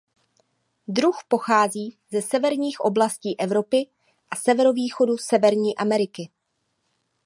Druh pochází ze severních oblastí Evropy a severovýchodu Severní Ameriky.